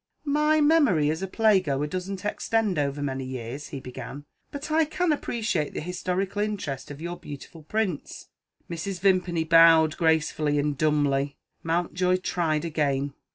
"My memory as a playgoer doesn't extend over many years," he began; "but I can appreciate the historical interest of your beautiful prints." Mrs. Vimpany bowed gracefully and dumbly. Mountjoy tried again.